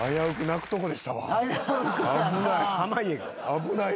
危ない。